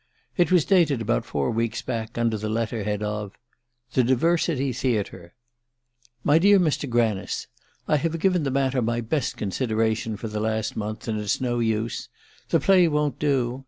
It was dated about four weeks back, under the letter head of "The Diversity Theatre." "MY DEAR MR. GRANICE: "I have given the matter my best consideration for the last month, and it's no use the play won't do.